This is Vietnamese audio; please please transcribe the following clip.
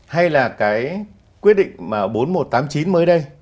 hay là cái quyết định bốn nghìn một trăm tám mươi chín mới đây